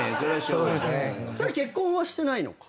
２人結婚はしてないのか。